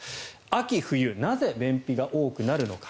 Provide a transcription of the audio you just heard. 秋冬、なぜ便秘が多くなるのか。